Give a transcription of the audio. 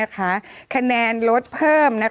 คะแนนลดเพิ่ม